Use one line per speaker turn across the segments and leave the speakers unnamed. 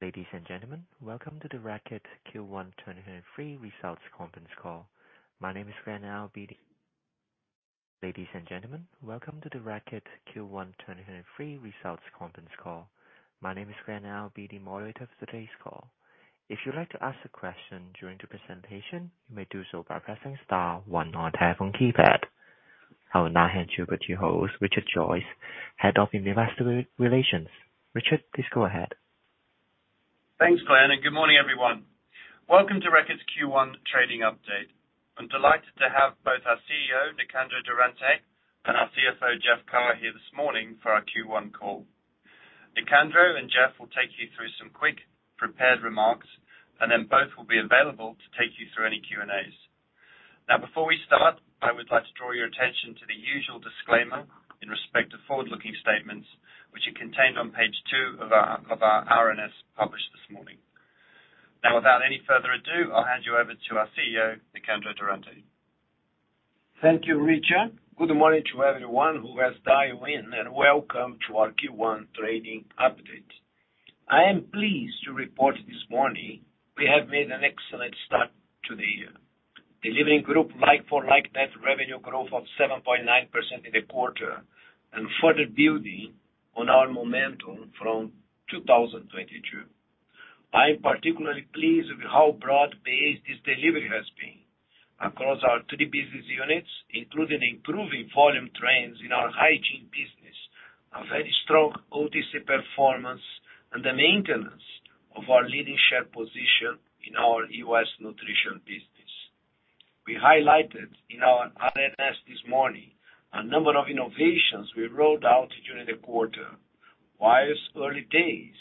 Ladies and gentlemen, welcome to the Reckitt Q1 2023 results conference call. My name is Glen, I'll be the moderator for today's call. If you'd like to ask a question during the presentation, you may do so by pressing star one on your telephone keypad. I will now hand you over to your host, Richard Joyce, Head of Investor Relations. Richard, please go ahead.
Thanks, Glen. Good morning, everyone. Welcome to Reckitt's Q1 trading update. I'm delighted to have both our CEO, Nicandro Durante, and our CFO, Jeff Carr, here this morning for our Q1 call. Nicandro and Jeff will take you through some quick prepared remarks, and then both will be available to take you through any Q&As. Before we start, I would like to draw your attention to the usual disclaimer in respect to forward-looking statements, which are contained on page two of our RNS published this morning. Without any further ado, I'll hand you over to our CEO, Nicandro Durante.
Thank you, Richard. Good morning to everyone who has dialed in, and welcome to our Q1 trading update. I am pleased to report this morning we have made an excellent start to the year. Delivering group like-for-like net revenue growth of 7.9% in the quarter and further building on our momentum from 2022. I'm particularly pleased with how broad-based this delivery has been across our three business units, including improving volume trends in our hygiene business, a very strong OTC performance, and the maintenance of our leading share position in our US nutrition business. We highlighted in our RNS this morning a number of innovations we rolled out during the quarter. While early days,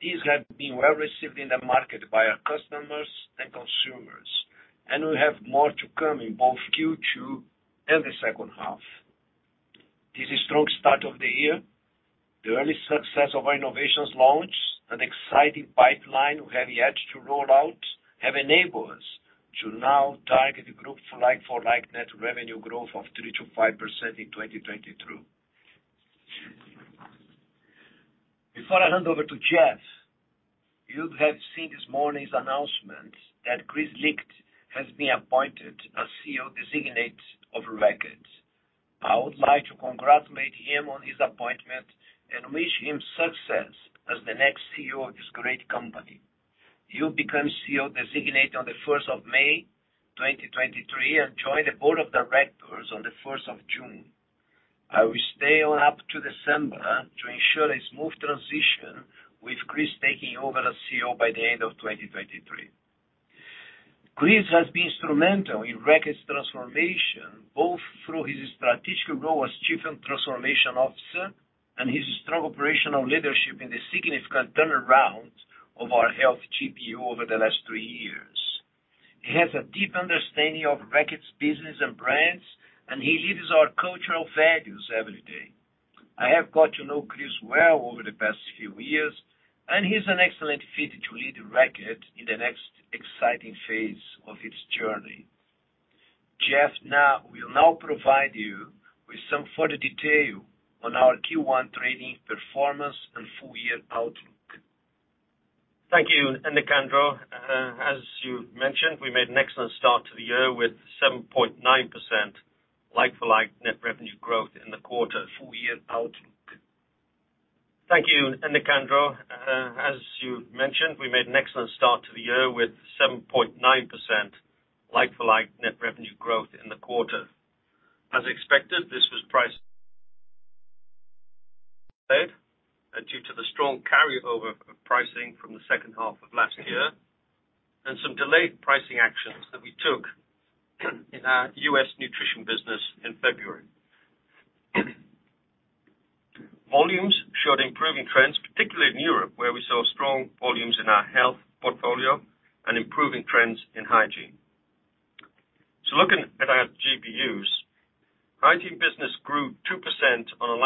these have been well received in the market by our customers and consumers, and we have more to come in both Q2 and the second half. This is strong start of the year. The early success of our innovations launch, an exciting pipeline we have yet to roll out, have enabled us to now target the group for like-for-like net revenue growth of 3%-5% in 2022. Before I hand over to Jeff, you have seen this morning's announcement that Kris Licht has been appointed as CEO Designate of Reckitt. I would like to congratulate him on his appointment and wish him success as the next CEO of this great company. He'll become CEO Designate on the first of May 2023 and join the board of directors on the first of June. I will stay on up to December to ensure a smooth transition, with Kris taking over as CEO by the end of 2023. Kris has been instrumental in Reckitt's transformation, both through his strategic role as Chief and Transformation Officer and his strong operational leadership in the significant turnaround of our Health GBU over the last three years. He has a deep understanding of Reckitt's business and brands, and he lives our cultural values every day. I have got to know Kris well over the past few years, and he's an excellent fit to lead Reckitt in the next exciting phase of its journey. Jeff will now provide you with some further detail on our Q1 trading performance and full year outlook.
Thank you, Nicandro. As you mentioned, we made an excellent start to the year with 7.9% like-for-like net revenue growth in the quarter full year outlook. Thank you, Nicandro. As you mentioned, we made an excellent start to the year with 7.9% like-for-like net revenue growth in the quarter. As expected, this was price-led due to the strong carryover of pricing from the second half of last year and some delayed pricing actions that we took in our U.S. Nutrition business in February. Volumes showed improving trends, particularly in Europe, where we saw strong volumes in our Health portfolio and improving trends in Hygiene. Looking at our GBUs, Hygiene business grew 2% on a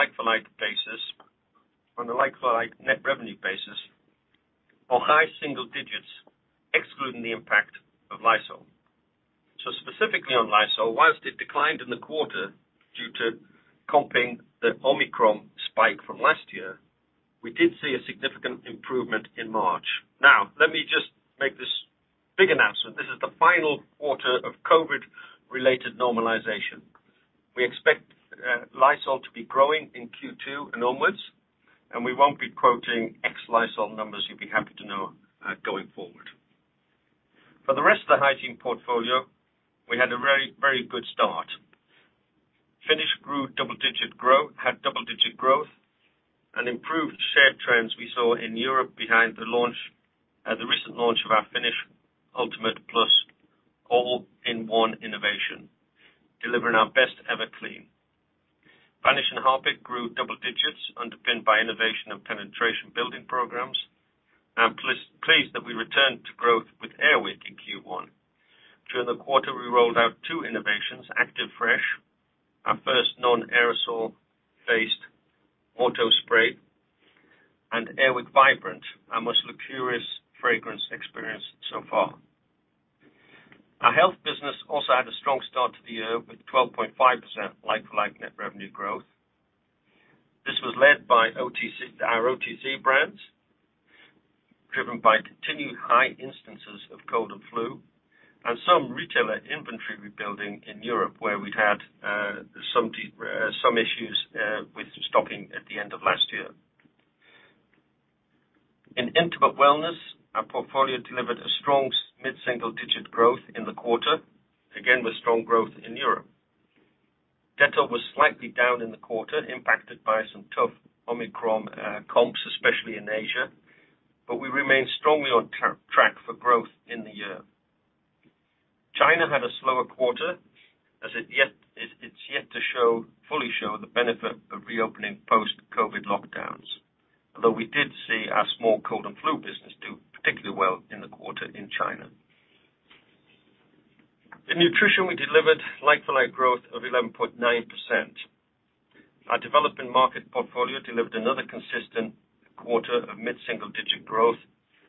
like-for-like net revenue basis or high single digits excluding the impact of Lysol. Specifically on Lysol, whilst it declined in the quarter due to comping the Omicron spike from last year, we did see a significant improvement in March. Now, let me just make this big announcement. This is the final quarter of COVID-related normalization. We expect Lysol to be growing in Q2 and onwards, and we won't be quoting ex-Lysol numbers, you'd be happy to know, going forward. For the rest of the hygiene portfolio, we had a very good start. Finish had double-digit growth and improved share trends we saw in Europe behind the launch, the recent launch of our Finish Ultimate Plus All-In-One innovation, delivering our best ever clean. Vanish and Harpic grew double digits underpinned by innovation and penetration building programs. I'm pleased that we returned to growth with Air Wick in Q1. During the quarter, we rolled out two innovations, Active Fresh, our first non-aerosol based auto spray, and Air Wick Vibrant, our most luxurious fragrance experience so far. 0.5% like-for-like net revenue growth. This was led by OTC, our OTC brands, driven by continued high instances of cold and flu, and some retailer inventory rebuilding in Europe, where we'd had some issues with stocking at the end of last year. In Intimate Wellness, our portfolio delivered a strong mid-single digit growth in the quarter, again with strong growth in Europe. Dettol was slightly down in the quarter, impacted by some tough Omicron comps, especially in Asia, but we remain strongly on track for growth in the year. China had a slower quarter as it's yet to show, fully show the benefit of reopening post-COVID lockdowns. We did see our small cold and flu business do particularly well in the quarter in China. In nutrition, we delivered like-for-like growth of 11.9%. Our developing market portfolio delivered another consistent quarter of mid-single digit growth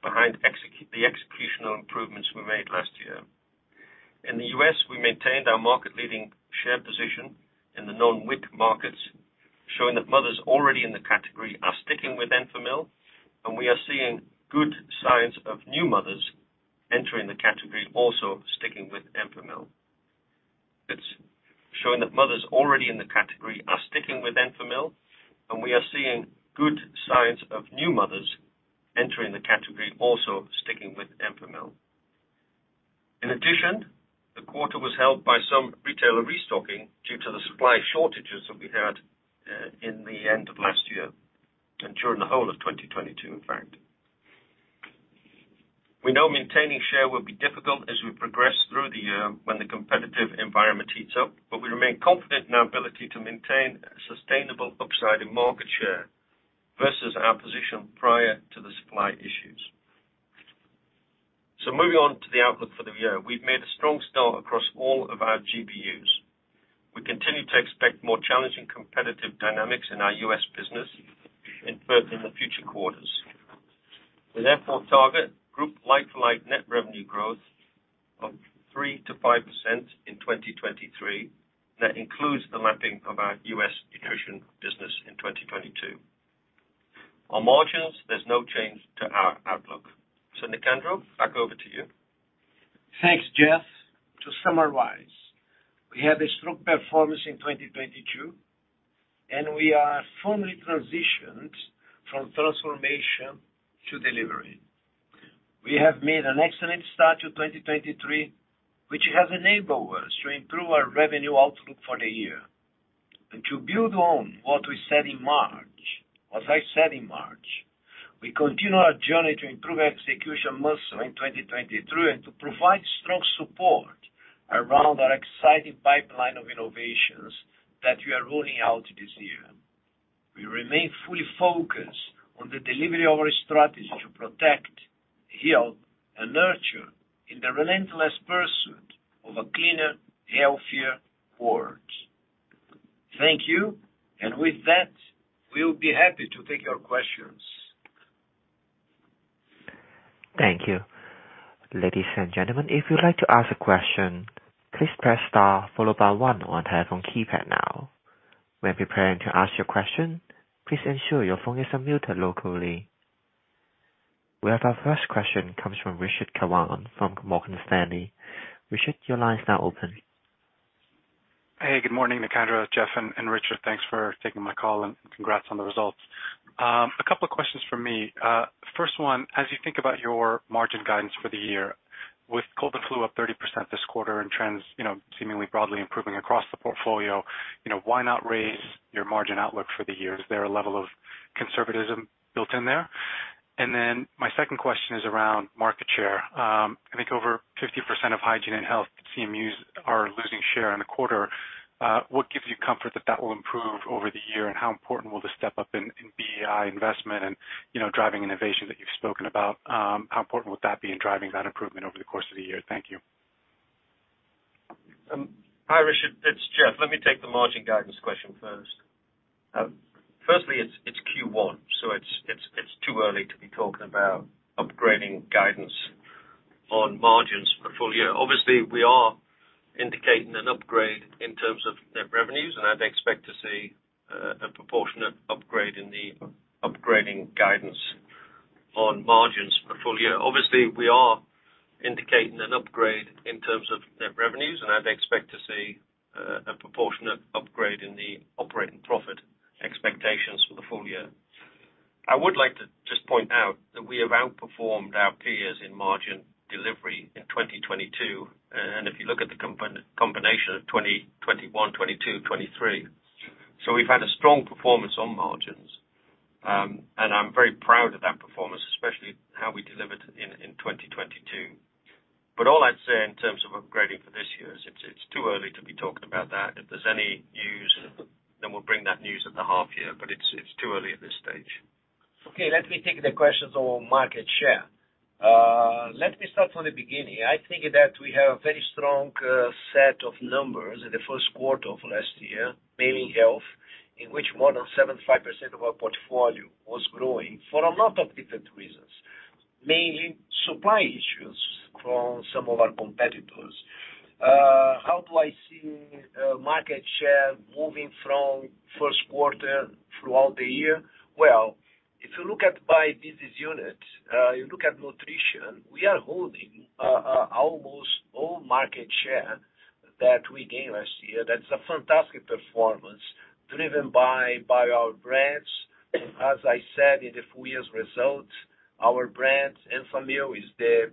behind the executional improvements we made last year. In the U.S., we maintained our market-leading share position in the non-WIC markets, showing that mothers already in the category are sticking with Enfamil, and we are seeing good signs of new mothers entering the category also sticking with Enfamil. It's showing that mothers already in the category are sticking with Enfamil, and we are seeing good signs of new mothers entering the category also sticking with Enfamil. In addition, the quarter was held by some retailer restocking due to the supply shortages that we had in the end of last year and during the whole of 2022, in fact. We know maintaining share will be difficult as we progress through the year when the competitive environment heats up, but we remain confident in our ability to maintain a sustainable upside in market share versus our position prior to the supply issues. Moving on to the outlook for the year. We've made a strong start across all of our GBUs. We continue to expect more challenging competitive dynamics in our US business in the future quarters. We therefore target group like-for-like net revenue growth of 3%-5% in 2023. That includes the lapping of our US nutrition business in 2022. On margins, there's no change to our outlook. Nicandro, back over to you.
Thanks, Jeff. To summarize, we had a strong performance in 2022, and we are firmly transitioned from transformation to delivery. We have made an excellent start to 2023, which has enabled us to improve our revenue outlook for the year. To build on what we said in March, what I said in March, we continue our journey to improve execution muscle in 2023 and to provide strong support around our exciting pipeline of innovations that we are rolling out this year. We remain fully focused on the delivery of our strategy to protect, heal, and nurture in the relentless pursuit of a cleaner, healthier world. Thank you. With that, we'll be happy to take your questions.
Thank you. Ladies and gentlemen, if you'd like to ask a question, please press star followed by one on telephone keypad now. When preparing to ask your question, please ensure your phone is unmuted locally. We have our first question comes from Rashad Kawan from Morgan Stanley. Rashad, your line is now open.
Hey, good morning, Nicandro, Jeff and Richard. Thanks for taking my call and congrats on the results. A couple of questions from me. First one, as you think about your margin guidance for the year, with cold and flu up 30% this quarter and trends, you know, seemingly broadly improving across the portfolio, you know, why not raise your margin outlook for the year? Is there a level of conservatism built in there? My second question is around market share. I think over 50% of hygiene and health CMUs are losing share in the quarter. What gives you comfort that that will improve over the year, and how important will the step-up in BEI investment and, you know, driving innovation that you've spoken about, how important will that be in driving that improvement over the course of the year? Thank you.
Hi, Rashad. It's Jeff. Let me take the margin guidance question first. Firstly, it's Q1, it's too early to be talking about upgrading guidance on margins for full year. Obviously, we are indicating an upgrade in terms of net revenues, and I'd expect to see a proportionate upgrade in the operating profit expectations for the full year. I would like to just point out that we have outperformed our peers in margin delivery in 2022, and if you look at the combination of 2021, 2022, 2023. We've had a strong performance on margins, and I'm very proud of that performance, especially how we delivered in 2022. All I'd say in terms of upgrading for this year is it's too early to be talking about that. If there's any news, we'll bring that news at the half year, it's too early at this stage.
Okay, let me take the questions on market share. Let me start from the beginning. I think that we have a very strong set of numbers in the first quarter of last year, mainly Health, in which more than 75% of our portfolio was growing for a lot of different reasons. Mainly supply issues from some of our competitors. How do I see market share moving from first quarter throughout the year? Well, if you look at by business unit, you look at Nutrition, we are holding almost all market share that we gained last year. That's a fantastic performance driven by our brands. As I said, in the full year's result, our brands, Enfamil is the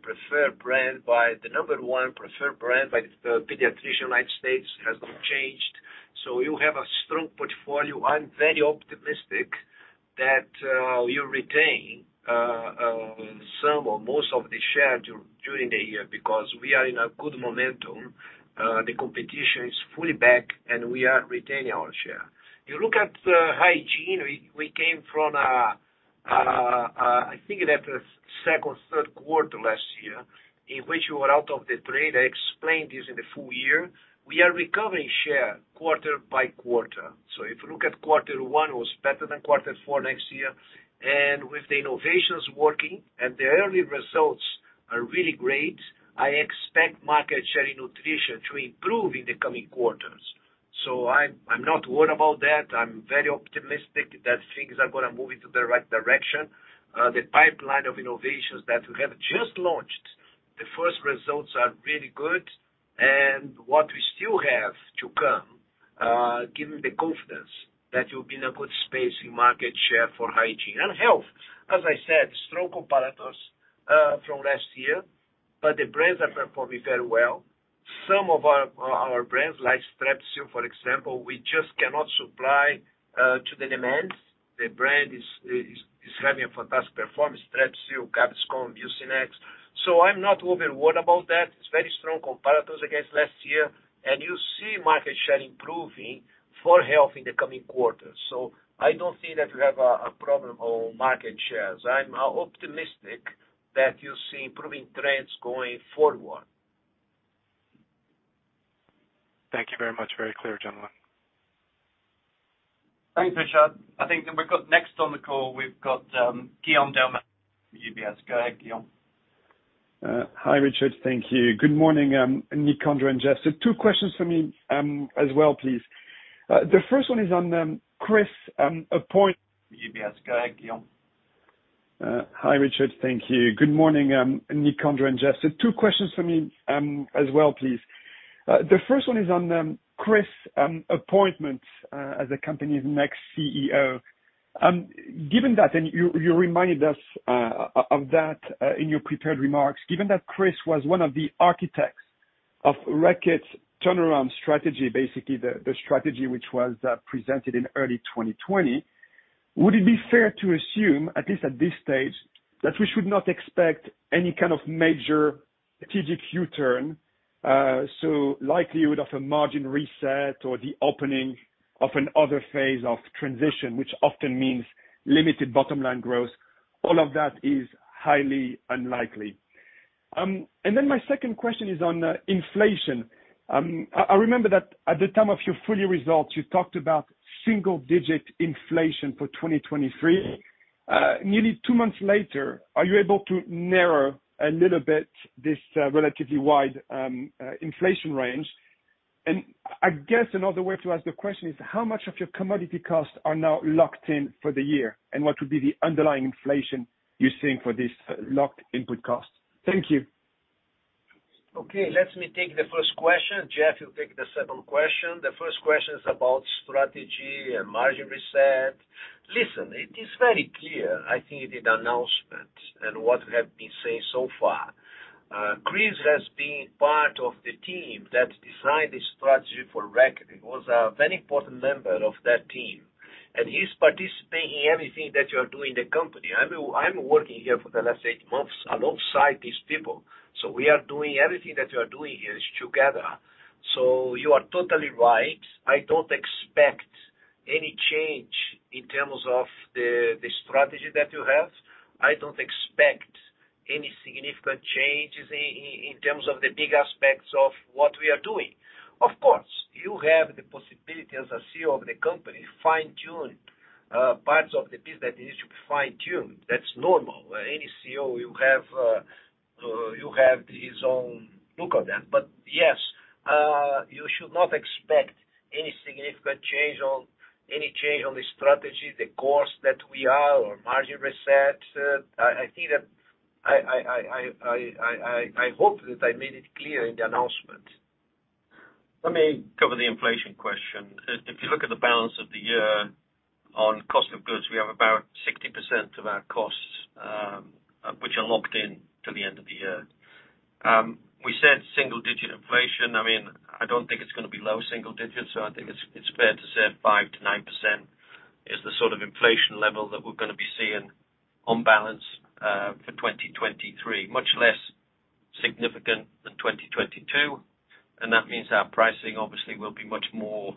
number one preferred brand by the pediatrician United States, has not changed. You have a strong portfolio. I'm very optimistic that we retain some or most of the share during the year because we are in a good momentum. The competition is fully back and we are retaining our share. You look at hygiene, we came from a, I think that second, third quarter last year in which we were out of the trade. I explained this in the full year. We are recovering share quarter by quarter. If you look at quarter one was better than quarter four next year. With the innovations working and the early results are really great, I expect market share in Nutrition to improve in the coming quarters. I'm not worried about that. I'm very optimistic that things are gonna move into the right direction. The pipeline of innovations that we have just launched, the first results are really good. What we still have to come, give me the confidence that you'll be in a good space in market share for hygiene and health. As I said, strong comparators from last year, but the brands are performing very well. Some of our brands like Strepsils for example, we just cannot supply to the demands. The brand is having a fantastic performance, Strepsils, Gaviscon, Mucinex. I'm not overly worried about that. It's very strong comparators against last year. You see market share improving for health in the coming quarters. I don't think that we have a problem on market shares. I'm optimistic that you'll see improving trends going forward.
Thank you very much. Very clear, gentlemen.
Thanks, Rashad. I think we've got next on the call, we've got Guillaume Delmas for UBS. Go ahead, Guillaume.
Hi, Richard. Thank you. Good morning, Nicandro and Jeff. Two questions for me as well, please. The first one is on Kris.
UBS. Go ahead, Guillaume.
Hi, Richard. Thank you. Good morning, Nicandro and Jeff. Two questions for me, as well, please. The first one is on Kris appointment as the company's next CEO. Given that, and you reminded us of that in your prepared remarks, given that Kris was one of the architects of Reckitt's turnaround strategy, basically the strategy which was presented in early 2020, would it be fair to assume, at least at this stage, that we should not expect any kind of major strategic u-turn? Likelihood of a margin reset or the opening of another phase of transition, which often means limited bottom line growth, all of that is highly unlikely. My second question is on inflation. I remember that at the time of your fully results, you talked about single digit inflation for 2023. Nearly two months later, are you able to narrow a little bit this relatively wide inflation range? I guess another way to ask the question is how much of your commodity costs are now locked in for the year? What would be the underlying inflation you're seeing for this locked input costs? Thank you.
Okay. Let me take the first question. Jeff, you'll take the second question. The first question is about strategy and margin reset. Listen, it is very clear. I think in the announcement and what we have been saying so far, Kris Licht has been part of the team that designed the strategy for Reckitt. He was a very important member of that team, and he's participating in everything that you are doing in the company. I'm working here for the last eight months alongside these people, so we are doing everything that we are doing here is together. You are totally right. I don't expect any change in terms of the strategy that you have. I don't expect any significant changes in terms of the big aspects of what we are doing. Of course, you have the possibility as a CEO of the company, fine-tune parts of the business that needs to be fine-tuned. That's normal. Any CEO you have, you have his own look on that. Yes, you should not expect any significant change on any change on the strategy, the course that we are or margin reset. I think that I hope that I made it clear in the announcement.
Let me cover the inflation question. If you look at the balance of the year on cost of goods, we have about 60% of our costs which are locked in to the end of the year. We said single-digit inflation. I mean, I don't think it's gonna be low single digits, so I think it's fair to say 5%-9% is the sort of inflation level that we're gonna be seeing on balance for 2023. Much less significant than 2022, that means our pricing obviously will be much more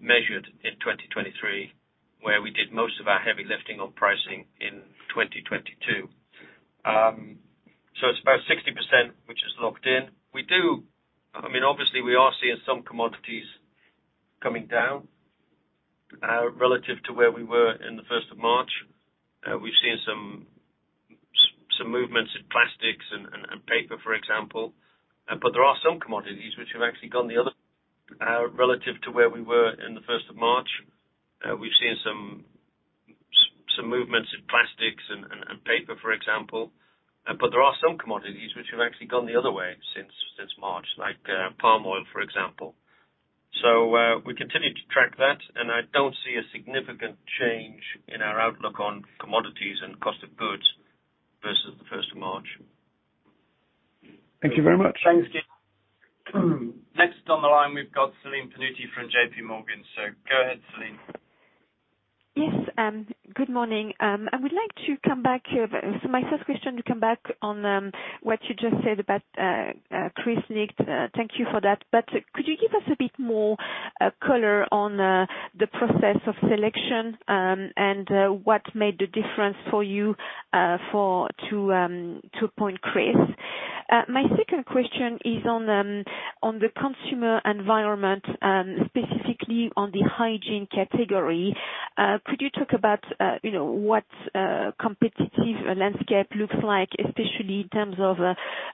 measured in 2023 where we did most of our heavy lifting on pricing in 2022. It's about 60%, which is locked in. We do. I mean, obviously, we are seeing some commodities coming down, relative to where we were in the first of March. We've seen some movements in plastics and paper, for example. There are some commodities which have actually gone the other way since March, like palm oil, for example. We continue to track that, and I don't see a significant change in our outlook on commodities and cost of goods versus the 1st of March.
Thank you very much.
Thanks.
Next on the line, we've got Celine Pannuti from JPMorgan. Go ahead, Celine.
Yes, good morning. I would like to come back here. My first question to come back on what you just said about Kris Licht. Thank you for that. Could you give us a bit more color on the process of selection and what made the difference for you to appoint Kris? My second question is on the consumer environment, specifically on the hygiene category. Could you talk about, you know, what competitive landscape looks like, especially in terms of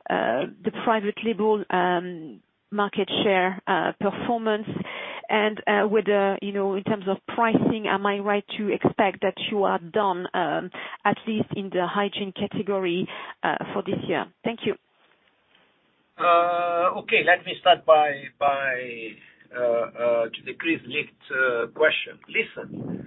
the private label market share performance? Whether, you know, in terms of pricing, am I right to expect that you are done, at least in the hygiene category, for this year? Thank you.
Okay. Let me start by to the Kris Licht question. Listen,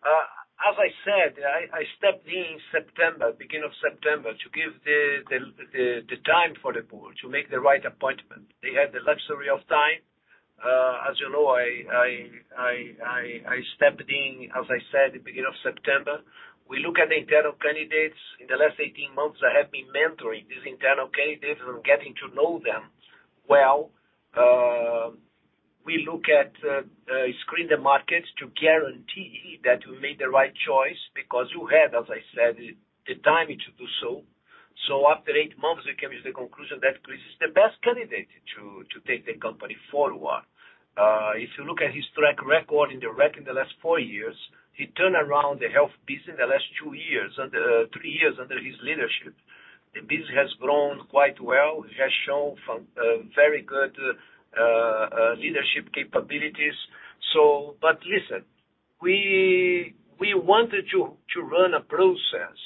as I said, I stepped in September, beginning of September, to give the time for the board to make the right appointment. They had the luxury of time. As you know, I stepped in, as I said, the beginning of September. We look at the internal candidates. In the last 18 months, I have been mentoring these internal candidates and getting to know them well. We look at screen the markets to guarantee that we made the right choice because you had, as I said, the timing to do so. After 8 months, we came to the conclusion that Kris is the best candidate to take the company forward. If you look at his track record in the Reckitt in the last 4 years, he turned around the Health piece in the last two years under, three years under his leadership. The business has grown quite well. He has shown some very good leadership capabilities. But listen, we wanted to run a process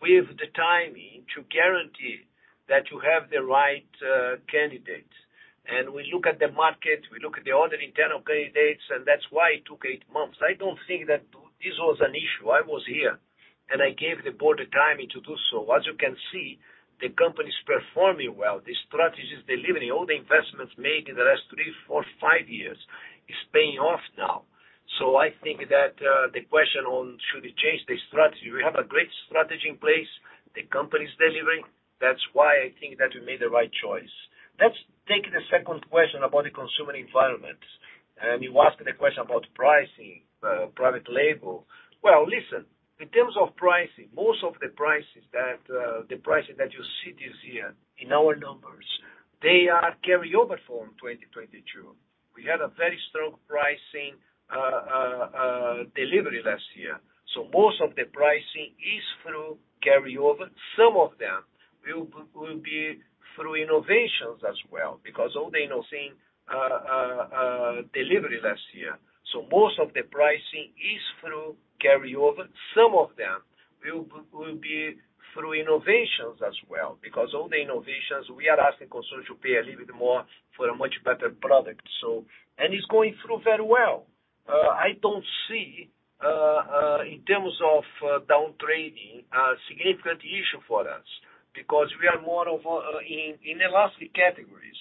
with the timing to guarantee that you have the right candidate. We look at the market, we look at the other internal candidates, and that's why it took 8 months. I don't think that this was an issue. I was here, and I gave the Board the timing to do so. As you can see, the company is performing well. The strategy is delivering all the investments made in the last three, four, five years is paying off now. I think that the question on should we change the strategy, we have a great strategy in place. The company is delivering. That's why I think that we made the right choice. Let's take the second question about the consumer environment. You asked the question about pricing, private label. Well, listen, in terms of pricing, most of the prices that the prices that you see this year in our numbers, they are carryover from 2022. We had a very strong pricing delivery last year. So most of the pricing is through carryover. Some of them will be through innovations as well because all the innovating delivery last year. Some of them will be through innovations as well because all the innovations, we are asking consumers to pay a little bit more for a much better product. It's going through very well. I don't see in terms of down trading a significant issue for us because we are more of in elastic categories.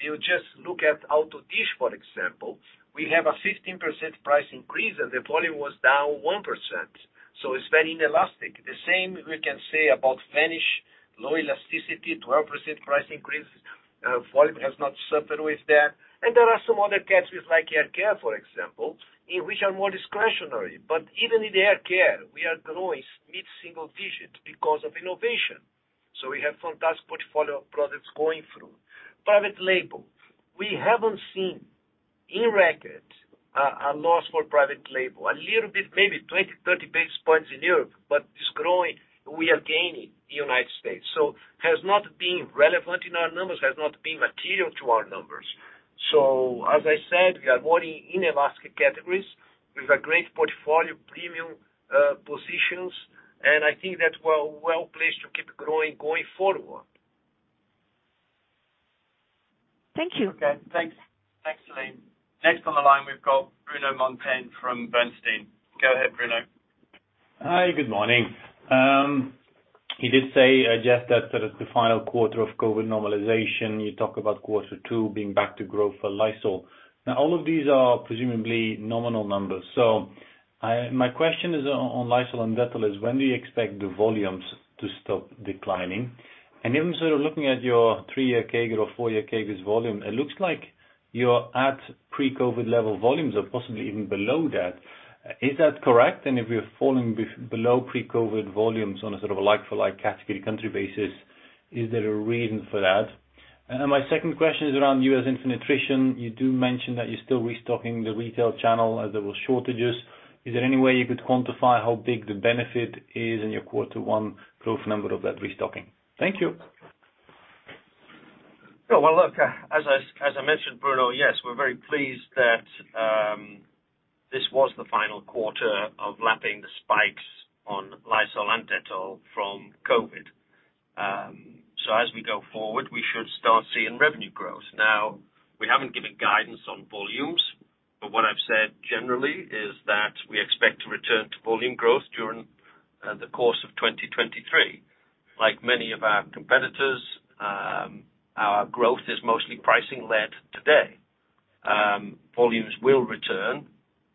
You just look at Auto Dish, for example. We have a 15% price increase and the volume was down 1%, so it's very inelastic. The same we can say about Vanish, low elasticity, 12% price increase. Volume has not suffered with that. There are some other categories like hair care, for example, in which are more discretionary. Even in the hair care, we are growing mid-single digits because of innovation. We have fantastic portfolio of products going through. Private label. We haven't seen in record a loss for private label. A little bit, maybe 20, 30 basis points in Europe, it's growing. We are gaining in the United States. Has not been relevant in our numbers, has not been material to our numbers. As I said, we are more in inelastic categories with a great portfolio, premium positions, and I think that we're well-placed to keep growing, going forward.
Thank you.
Okay, thanks. Thanks, Celine. Next on the line, we've got Bruno Monteyne from Bernstein. Go ahead, Bruno.
Hi, good morning. You did say just that it's the final quarter of COVID normalization. You talk about Q2 being back to growth for Lysol. All of these are presumably nominal numbers. My question is on Lysol and Dettol is when do you expect the volumes to stop declining? Even sort of looking at your three-year CAGR or four-year CAGR volume, it looks like you're at pre-COVID level volumes or possibly even below that. Is that correct? If you're falling below pre-COVID volumes on a sort of a like-for-like category country basis, is there a reason for that? My second question is around U.S. Infant Nutrition. You do mention that you're still restocking the retail channel as there were shortages. Is there any way you could quantify how big the benefit is in your quarter one growth number of that restocking? Thank you.
As I mentioned, Bruno, yes, we're very pleased that this was the final quarter of lapping the spikes on Lysol and Dettol from COVID. As we go forward, we should start seeing revenue growth. We haven't given guidance on volumes, but what I've said generally is that we expect to return to volume growth during the course of 2023. Like many of our competitors, our growth is mostly pricing-led today. Volumes will return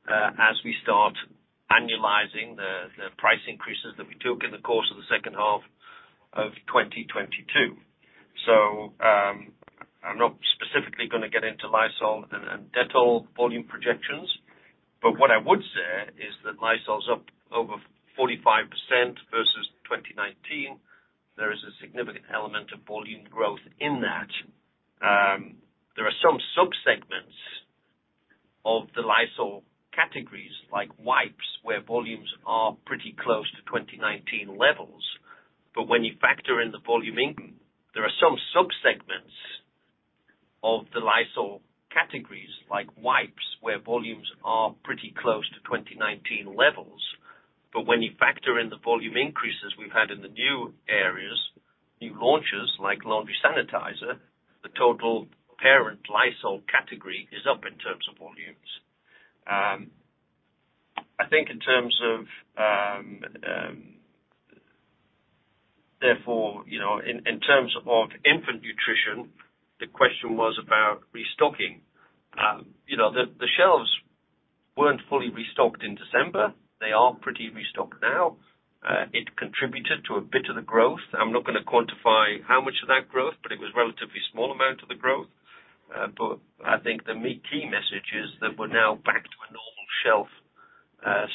as we start annualizing the price increases that we took in the course of the second half of 2022. I'm not specifically gonna get into Lysol and Dettol volume projections, but what I would say is that Lysol's up over 45% versus 2019. There is a significant element of volume growth in that. There are some subsegments of the Lysol categories like wipes, where volumes are pretty close to 2019 levels. When you factor in the volume increases we've had in the new areas, new launches like laundry sanitizer, the total parent Lysol category is up in terms of volumes. I think in terms of, you know, in terms of infant nutrition, the question was about restocking. You know, the shelves weren't fully restocked in December. They are pretty restocked now. It contributed to a bit of the growth. I'm not gonna quantify how much of that growth, but it was relatively small amount of the growth.I think the key message is that we're now back to a normal shelf,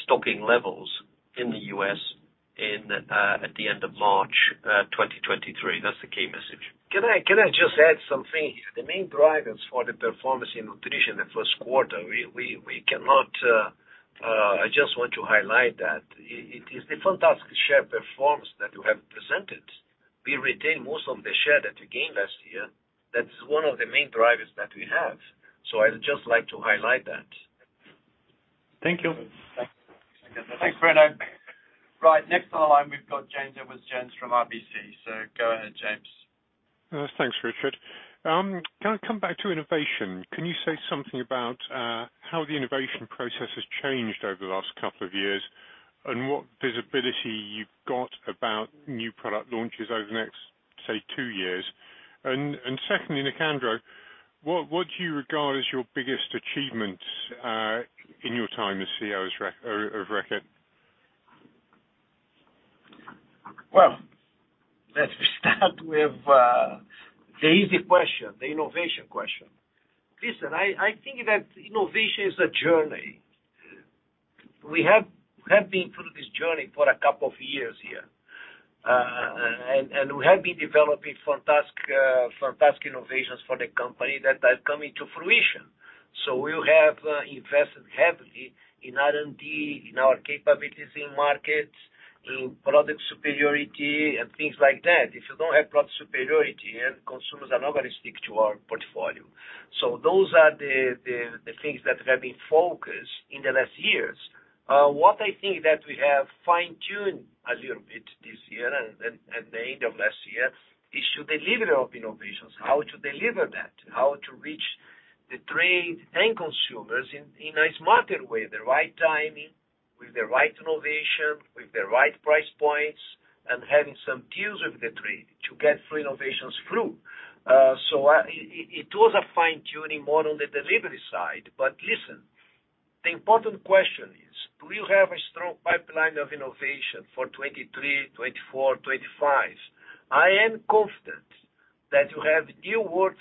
stocking levels in the US in, at the end of March, 2023. That's the key message.
Can I just add something here? The main drivers for the performance in nutrition the first quarter, we cannot, I just want to highlight that. It is the fantastic share performance that you have presented. We retain most of the share that you gained last year. That is one of the main drivers that we have. I'd just like to highlight that.
Thank you.
Thanks, Bruno. Right. Next on the line, we've got James Edwardes Jones from RBC. Go ahead, James.
Thanks, Richard. Can I come back to innovation? Can you say something about how the innovation process has changed over the last couple of years and what visibility you've got about new product launches over the next, say, two years? Secondly, Nicandro, what do you regard as your biggest achievement in your time as CEO of Reckitt?
Well, let's start with the easy question, the innovation question. Listen, I think that innovation is a journey. We have been through this journey for a couple of years here. And we have been developing fantastic innovations for the company that are coming to fruition. We have invested heavily in R&D, in our capabilities in markets, product superiority and things like that. If you don't have product superiority, then consumers are not gonna stick to our portfolio. Those are the things that have been focused in the last years. What I think that we have fine-tuned a little bit this year and the end of last year is to deliver the innovations, how to deliver that, how to reach the trade and consumers in a smarter way, the right timing with the right innovation, with the right price points, and having some deals with the trade to get free innovations through. It was a fine-tuning more on the delivery side. Listen, the important question is: Do you have a strong pipeline of innovation for 2023, 2024, 2025? I am confident that you have new words,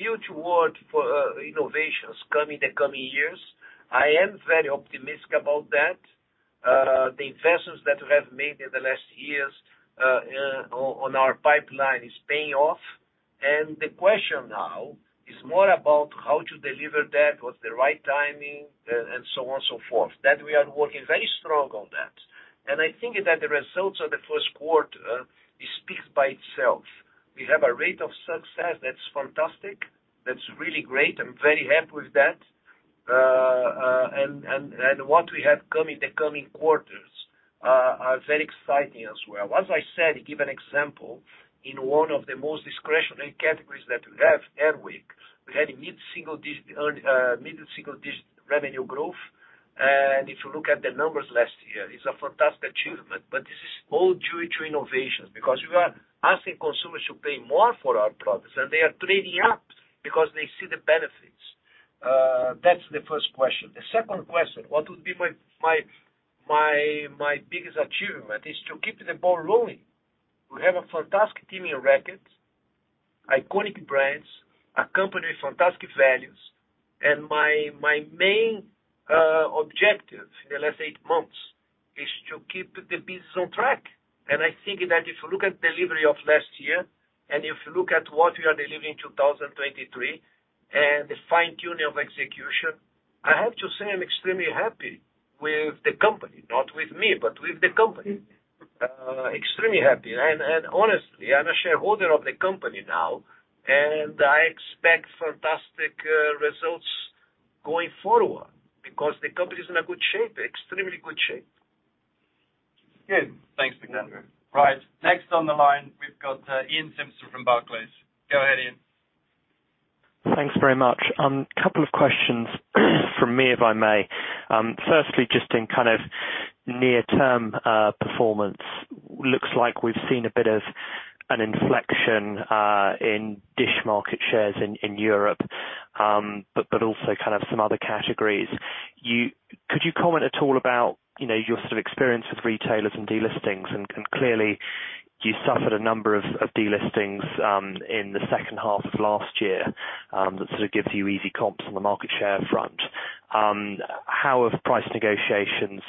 new word for innovations coming the coming years. I am very optimistic about that. The investments that we have made in the last years on our pipeline is paying off. The question now is more about how to deliver that with the right timing, and so on and so forth. That we are working very strong on that. I think that the results of the first quarter, it speaks by itself. We have a rate of success that's fantastic, that's really great. I'm very happy with that. What we have come in the coming quarters are very exciting as well. As I said, to give an example, in one of the most discretionary categories that we have, Air Wick, we had a mid-single digit revenue growth. If you look at the numbers last year, it's a fantastic achievement. This is all due to innovations because we are asking consumers to pay more for our products and they are trading up because they see the benefits. That's the first question. The second question, what would be my biggest achievement is to keep the ball rolling. We have a fantastic team in Reckitt. Iconic brands, a company with fantastic values. My main objective in the last eight months is to keep the business on track. I think that if you look at delivery of last year, and if you look at what we are delivering in 2023, and the fine-tuning of execution, I have to say I'm extremely happy with the company. Not with me, but with the company. Extremely happy. Honestly, I'm a shareholder of the company now, and I expect fantastic results going forward because the company is in a good shape, extremely good shape.
Good. Thanks, Nicandro.
Right. Next on the line, we've got Iain Simpson from Barclays. Go ahead, Iain.
Thanks very much. Couple of questions from me, if I may. Firstly, just in kind of near-term performance, looks like we've seen a bit of an inflection in Auto Dish market shares in Europe, also kind of some other categories. Could you comment at all about, you know, your sort of experience with retailers and delistings? Clearly you suffered a number of delistings in the second half of last year, that sort of gives you easy comps on the market share front. How have price negotiations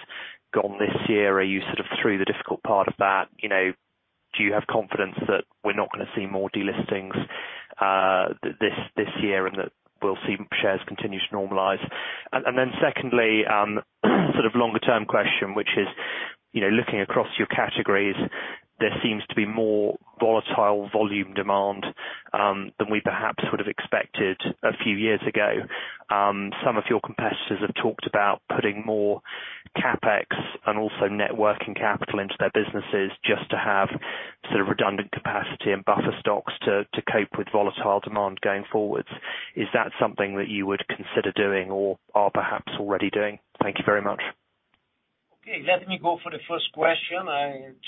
gone this year? Are you sort of through the difficult part of that? You know, do you have confidence that we're not gonna see more delistings this year and that we'll see shares continue to normalize? Then secondly, sort of longer-term question, which is, you know, looking across your categories, there seems to be more volatile volume demand than we perhaps would have expected a few years ago. Some of your competitors have talked about putting more CapEx and also net working capital into their businesses just to have sort of redundant capacity and buffer stocks to cope with volatile demand going forward. Is that something that you would consider doing or are perhaps already doing? Thank you very much.
Okay, let me go for the first question.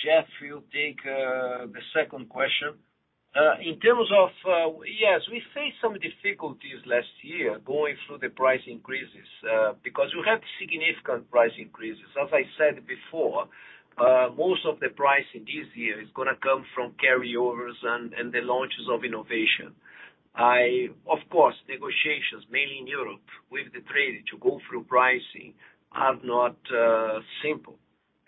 Jeff will take the second question. In terms of, yes, we faced some difficulties last year going through the price increases, because we had significant price increases. As I said before, most of the pricing this year is gonna come from carryovers and the launches of innovation. Of course, negotiations, mainly in Europe with the trade to go through pricing are not simple.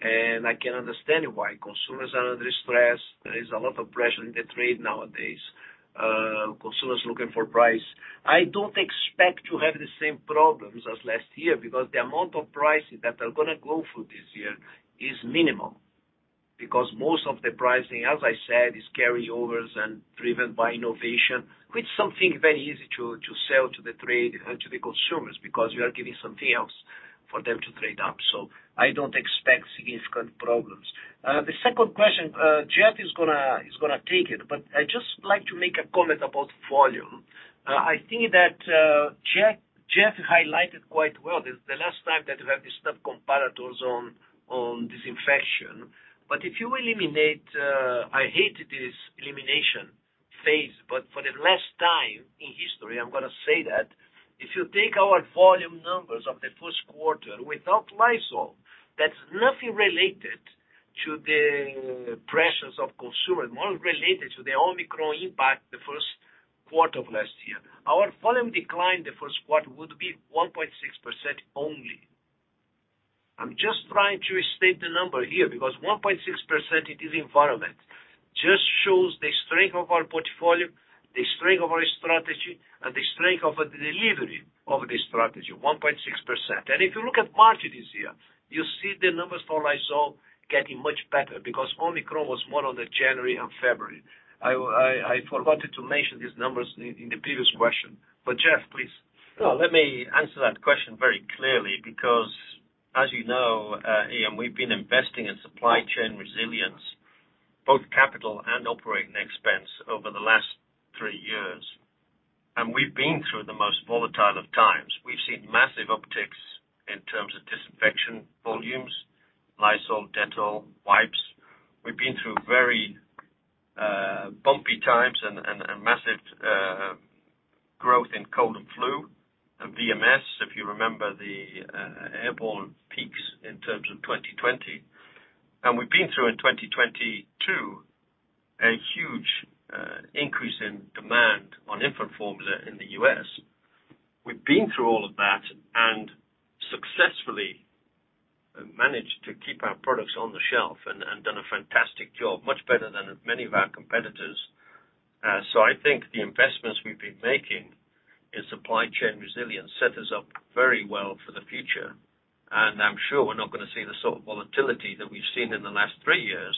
I can understand why consumers are under stress. There is a lot of pressure in the trade nowadays. Consumers looking for price. I don't expect to have the same problems as last year because the amount of prices that are gonna go through this year is minimal. Most of the pricing, as I said, is carryovers and driven by innovation, with something very easy to sell to the trade and to the consumers because we are giving something else for them to trade up. I don't expect significant problems. The second question, Jeff is gonna take it, but I'd just like to make a comment about volume. I think that Jeff highlighted quite well the last time that we had the step comparators on disinfection. If you eliminate, I hate this elimination phase, but for the last time in history, I'm gonna say that if you take our volume numbers of the first quarter without Lysol, that's nothing related to the pressures of consumers, more related to the Omicron impact the first quarter of last year. Our volume decline in the first quarter would be 1.6% only. I'm just trying to state the number here, because 1.6% in this environment just shows the strength of our portfolio, the strength of our strategy, and the strength of the delivery of the strategy, 1.6%. If you look at market this year, you see the numbers for Lysol getting much better because Omicron was more on the January and February. I forgot to mention these numbers in the previous question. Jeff, please.
So, let me answer that question very clearly because as you know, Iain, we've been investing in supply chain resilience, both CapEx and OpEx over the last three years. We've been through the most volatile of times. We've seen massive upticks in terms of disinfection volumes, Lysol, Dettol, wipes. We've been through very bumpy times and massive growth in cold and flu and VMS, if you remember the Airborne peaks in terms of 2020. We've been through in 2022 a huge increase in demand on infant formula in the U.S. We've been through all of that and successfully managed to keep our products on the shelf and done a fantastic job, much better than many of our competitors. I think the investments we've been making in supply chain resilience set us up very well for the future. I'm sure we're not gonna see the sort of volatility that we've seen in the last three years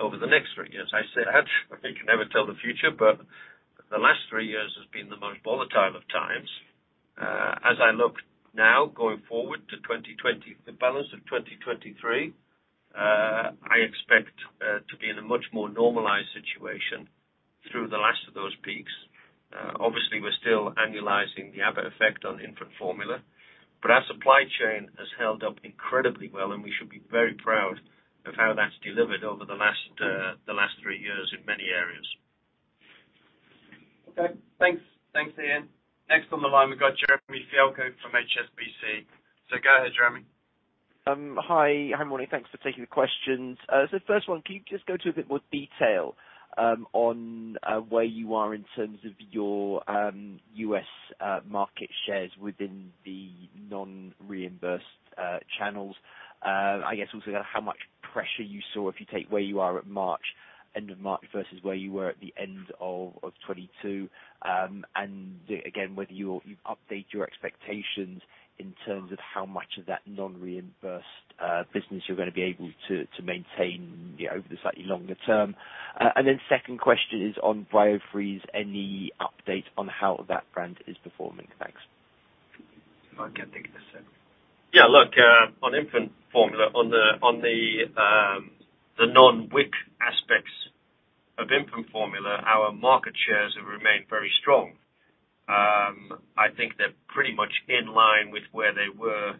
over the next three years. I say that, we can never tell the future, but the last three years has been the most volatile of times. As I look now going forward to the balance of 2023, I expect to be in a much more normalized situation through the last of those peaks. Obviously, we're still annualizing the Abbott effect on infant formula, but our supply chain has held up incredibly well, and we should be very proud of how that's delivered over the last, the last three years in many areas.
Okay, thanks.
Thanks, Ian. Next on the line, we've got Jeremy Fialko from HSBC. Go ahead, Jeremy.
Hi. Good morning. Thanks for taking the questions. First one, can you just go to a bit more detail on where you are in terms of your U.S. market shares within the non-reimbursed channels? I guess also how much pressure you saw if you take where you are at March, end of March versus where you were at the end of 2022. Again, whether you'll update your expectations in terms of how much of that non-reimbursed business you're gonna be able to maintain, you know, over the slightly longer term. Second question is on Biofreeze. Any update on how that brand is performing? Thanks.
I can take this one.
Yeah. Look, on infant formula on the non-WIC aspects of infant formula, our market shares have remained very strong. I think they're pretty much in line with where they were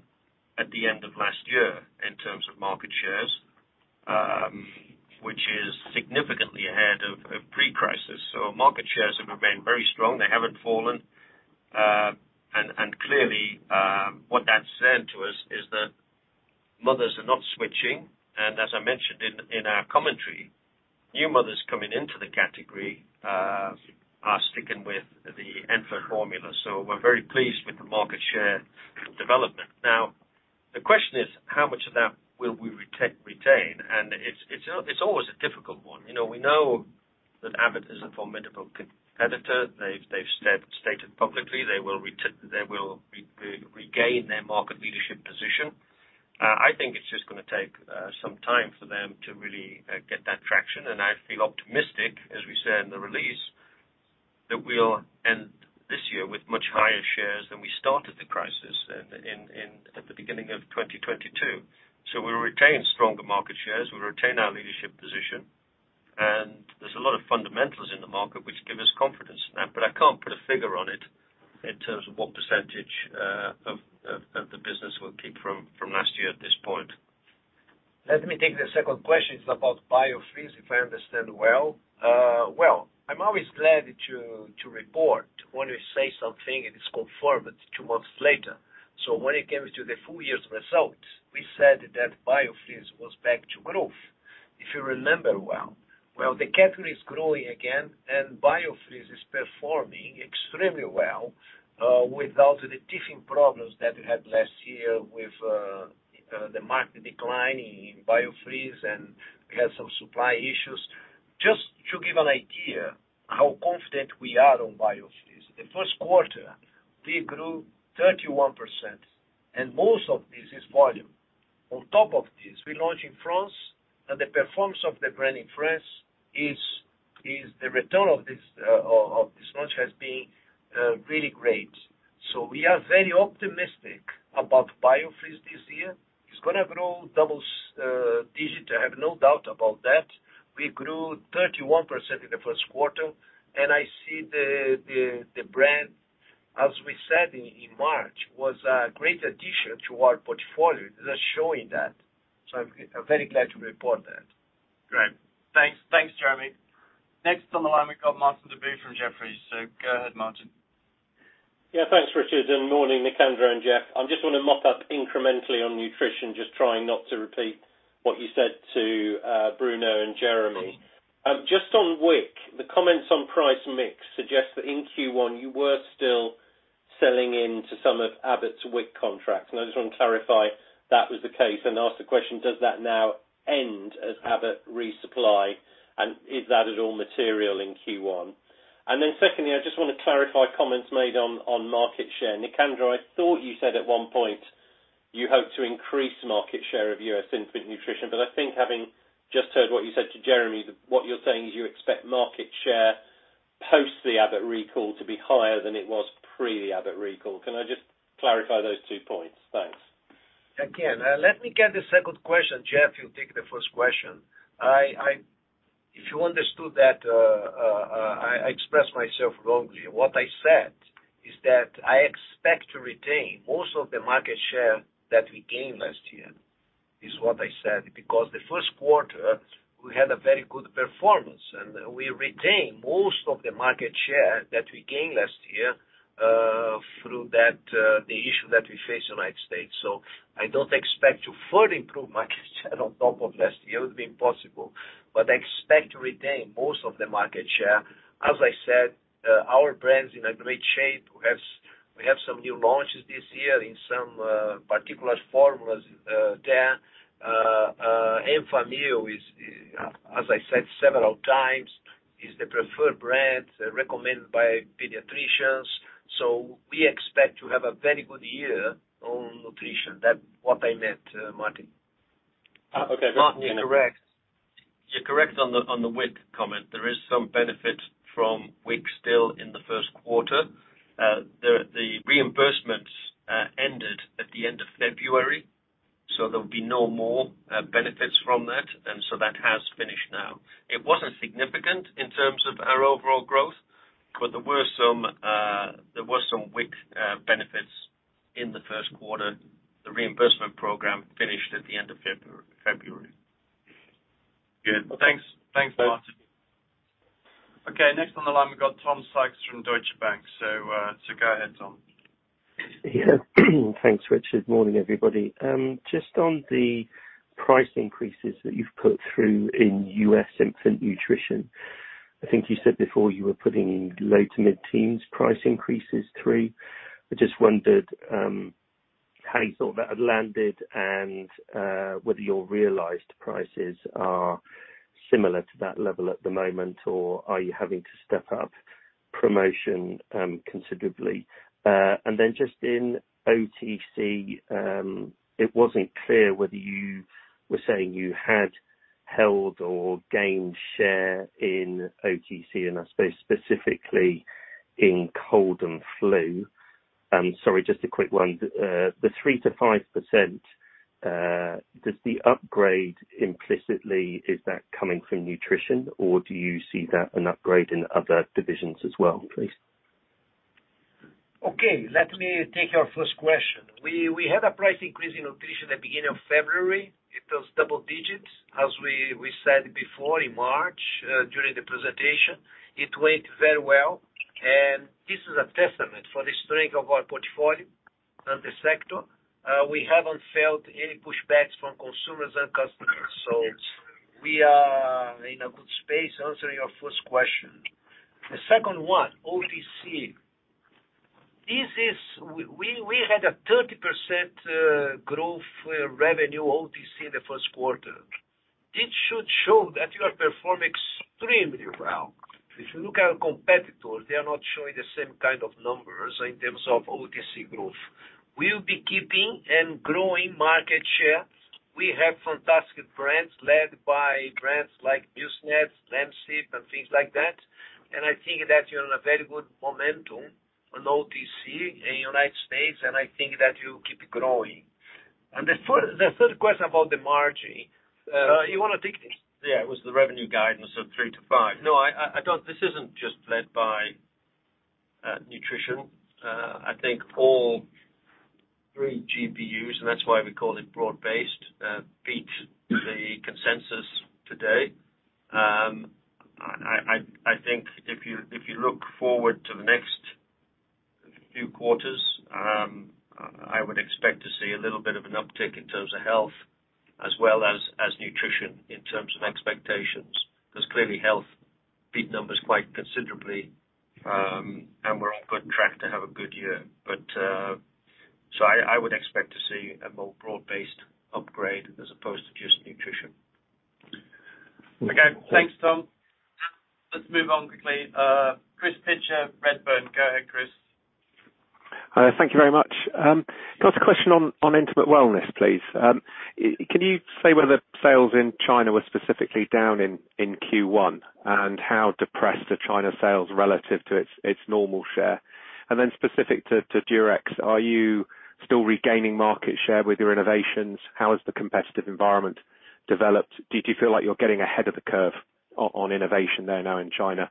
at the end of last year in terms of market shares, which is significantly ahead of pre-crisis. Market shares have remained very strong. They haven't fallen. Clearly, what that's saying to us is that mothers are not switching, and as I mentioned in our commentary, new mothers coming into the category, are sticking with the Enfamil formula. We're very pleased with the market share development. Now, the question is, how much of that will we retain? It's always a difficult one. You know, we know that Abbott is a formidable competitor. They've stated publicly they will regain their market leadership position. I think it's just gonna take some time for them to really get that traction, and I feel optimistic, as we said in the release, that we'll end this year with much higher shares than we started the crisis in at the beginning of 2022. We retain stronger market shares, we retain our leadership position, and there's a lot of fundamentals in the market which give us confidence in that, but I can't put a figure on it in terms of what percentage of the business we'll keep from last year at this point.
Let me take the second question. It's about Biofreeze, if I understand well. Well, I'm always glad to report when we say something and it's confirmed two months later. When it came to the full year's results, we said that Biofreeze was back to growth. If you remember well, the category is growing again, and Biofreeze is performing extremely well without the teething problems that we had last year with the market decline in Biofreeze, and we had some supply issues. Just to give an idea how confident we are on Biofreeze. The first quarter, we grew 31%, and most of this is volume. On top of this, we launch in France, and the performance of the brand in France is the return of this of this launch has been really great. We are very optimistic about Biofreeze this year. It's gonna grow double digit. I have no doubt about that. We grew 31% in the first quarter, and I see the brand, as we said in March, was a great addition to our portfolio. It is showing that. I'm very glad to report that.
Great. Thanks.
Thanks, Jeremy. Next on the line, we've got Martin Deboo from Jefferies. Go ahead, Martin.
Yeah, thanks, Richard, morning, Nicandro and Jeff. I just wanna mop up incrementally on nutrition. Just trying not to repeat what you said to Bruno and Jeremy. Just on WIC, the comments on price mix suggest that in Q1, you were still selling into some of Abbott's WIC contracts. I just wanna clarify if that was the case and ask the question, does that now end as Abbott resupply, is that at all material in Q1? Secondly, I just wanna clarify comments made on market share. Nicandro, I thought you said at one point you hope to increase market share of U.S. infant nutrition, I think having just heard what you said to Jeremy, that what you're saying is you expect market share post the Abbott recall to be higher than it was pre the Abbott recall. Can I just clarify those two points? Thanks.
Again, let me get the second question. Jeff, you take the first question. If you understood that, I expressed myself wrongly. What I said is that I expect to retain most of the market share that we gained last year, is what I said. Because the first quarter, we had a very good performance, and we retained most of the market share that we gained last year, through that, the issue that we faced United States. I don't expect to further improve market share on top of last year. It would be impossible, but I expect to retain most of the market share. As I said, our brand's in a great shape. We have some new launches this year in some particular formulas. There, Enfamil is, as I said several times, is the preferred brand recommended by pediatricians. We expect to have a very good year on nutrition. That what I meant, Martin.
Okay.
Martin, you're correct. You're correct on the WIC comment. There is some benefit from WIC still in the first quarter. The reimbursements ended at the end of February, there'll be no more benefits from that. That has finished now. It wasn't significant in terms of our overall growth, but there were some WIC benefits in the first quarter. The reimbursement program finished at the end of February.
Well, thanks.
Thanks, Martin. Next on the line we've got Tom Sykes from Deutsche Bank. Go ahead, Tom.
Yeah. Thanks, Richard. Morning, everybody. Just on the price increases that you've put through in U.S. Infant Nutrition. I think you said before you were putting low to mid-teens price increases through. I just wondered how you thought that had landed and whether your realized prices are similar to that level at the moment, or are you having to step up promotion considerably? Just in OTC, it wasn't clear whether you were saying you had held or gained share in OTC, and I suppose specifically in cold and flu. I'm sorry, just a quick one. The 3%-5%, does the upgrade implicitly, is that coming from nutrition, or do you see that an upgrade in other divisions as well, please?
Okay, let me take your first question. We had a price increase in Nutrition at the beginning of February. It was double digits, as we said before in March during the presentation. It went very well. This is a testament for the strength of our portfolio and the sector. We haven't felt any pushbacks from consumers and customers. We are in a good space answering your first question. The second one, OTC. We had a 30% growth for revenue OTC in the first quarter. This should show that you are performing extremely well. If you look at our competitors, they are not showing the same kind of numbers in terms of OTC growth. We'll be keeping and growing market share. We have fantastic brands led by brands like Mucinex, Lemsip and things like that. I think that you're in a very good momentum on OTC in United States, and I think that you keep growing. The third question about the margin. You wanna take this?
Yeah, it was the revenue guidance of 3%-5%. I don't. This isn't just led by Nutrition. I think all three GBUs, and that's why we call it broad-based, beat the consensus today. I think if you look forward to the next few quarters, I would expect to see a little bit of an uptick in terms of Health as well as Nutrition in terms of expectations. 'Cause clearly Health beat numbers quite considerably, we're on good track to have a good year. I would expect to see a more broad-based upgrade as opposed to just Nutrition.
Okay. Thanks, Tom. Let's move on quickly. Chris Pitcher, Redburn. Go ahead, Chris.
Thank you very much. Can I ask a question on Intimate Wellness, please? Can you say whether the sales in China were specifically down in Q1? How depressed are China sales relative to its normal share? Specific to Durex, are you still regaining market share with your innovations? How has the competitive environment developed? Do you feel like you're getting ahead of the curve on innovation there now in China?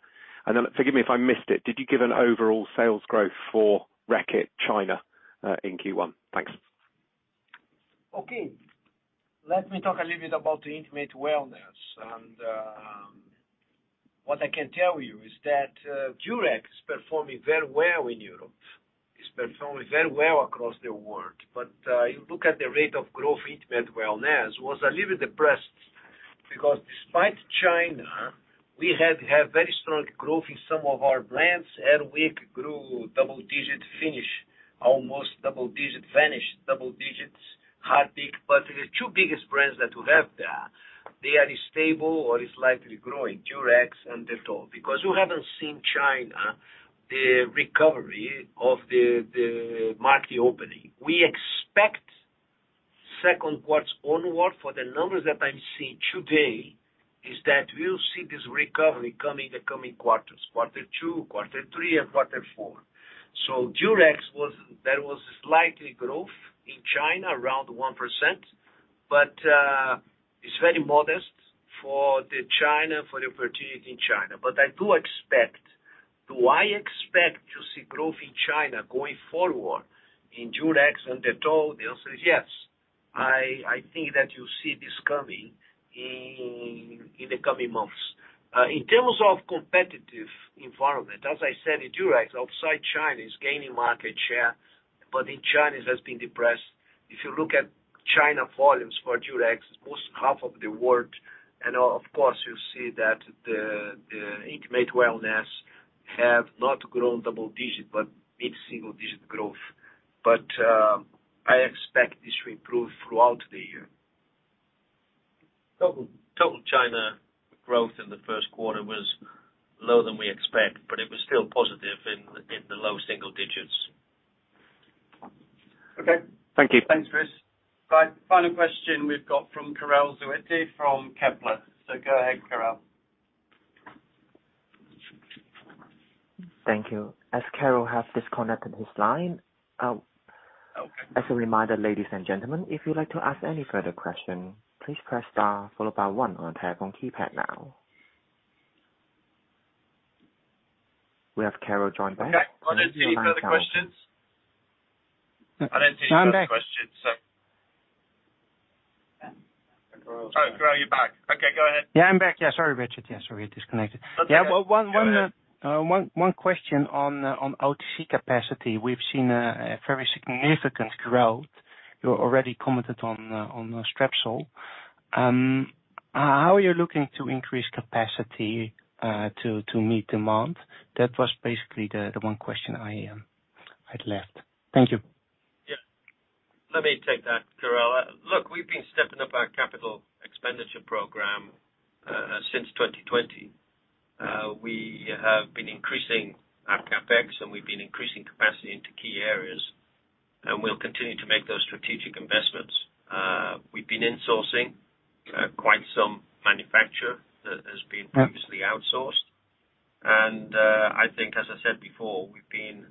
Forgive me if I missed it. Did you give an overall sales growth for Reckitt China in Q1? Thanks.
Okay. Let me talk a little bit about the Intimate Wellness. What I can tell you is that Durex is performing very well in Europe. It's performing very well across the world. You look at the rate of growth, Intimate Wellness was a little depressed because despite China, we have very strong growth in some of our brands, and we grew double-digit Finish, almost double-digit Vanish, double-digits Harpic. The two biggest brands that we have there, they are stable or is slightly growing, Durex and Dettol. We haven't seen China, the recovery of the market opening. We expect second quarter onward for the numbers that I'm seeing today is that we'll see this recovery coming in the coming quarters. Quarter two, quarter three and quarter four. Durex was there was slightly growth in China around 1%, but it's very modest for the China, for the opportunity in China. I do expect. Do I expect to see growth in China going forward in Durex and Dettol? The answer is yes. I think that you'll see this coming in the coming months. In terms of competitive environment, as I said, the Durex outside China is gaining market share, but in China, it has been depressed. If you look at China volumes for Durex, almost half of the world, and of course, you'll see that the Intimate Wellness have not grown double-digit, but mid-single-digit growth. I expect this to improve throughout the year.
Total China growth in the first quarter was lower than we expect, but it was still positive in the low single digits.
Okay. Thank you.
Thanks, Chris. Final question we've got from Karel Zoete from Kepler. Go ahead, Karel.
Thank you. As Karel have disconnected his line.
Okay.
As a reminder, ladies and gentlemen, if you'd like to ask any further question, please press star followed by one on telephone keypad now. We have Karel joined back.
Okay. I don't see any further questions. I don't see any further questions, so.
I'm back.
Karel's back. Oh, Karel, you're back. Okay, go ahead.
Yeah, I'm back. Yeah, sorry, Richard. Yeah, sorry, I disconnected.
That's okay.
Yeah. One question on OTC capacity. We've seen a very significant growth. You already commented on Strepsils. How are you looking to increase capacity to meet demand? That was basically the one question I'd left. Thank you.
Let me take that, Karel. Look, we've been stepping up our capital expenditure program since 2020. We have been increasing our CapEx, and we've been increasing capacity into key areas, and we'll continue to make those strategic investments. We've been insourcing quite some manufacture that has been previously outsourced. I think as I said before, we've been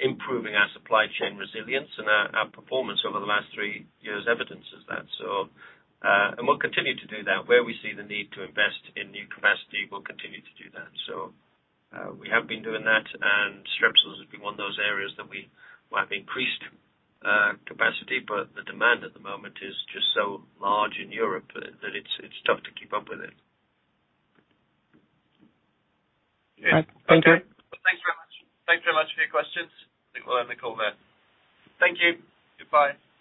improving our supply chain resilience and our performance over the last three years evidences that. We'll continue to do that. Where we see the need to invest in new capacity, we'll continue to do that. We have been doing that, and Strepsils has been one of those areas that we have increased capacity, but the demand at the moment is just so large in Europe that it's tough to keep up with it.
All right. Thank you.
Thank you very much. Thank you very much for your questions. I think we'll end the call there. Thank you. Goodbye.